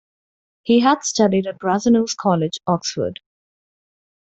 He had studied at Brasenose College, Oxford.